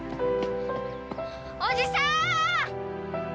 おじさーん！